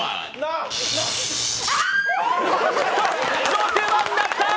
６番だったー！